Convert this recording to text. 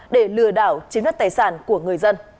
để lừa đảo chiếm đất tài sản của người dân